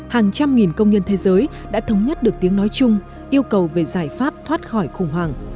hàng trăm nghìn công nhân thế giới đã thống nhất được tiếng nói chung yêu cầu về giải pháp thoát khỏi khủng hoảng